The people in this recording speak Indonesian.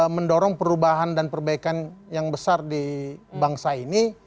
mendorong perubahan dan perbaikan yang besar di bangsa ini